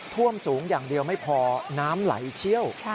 ท่วมสูงอย่างเดียวไม่พอน้ำไหลเชี่ยว